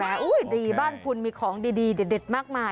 อุ้ยดีบ้านคุณมีของดีเด็ดมากมาย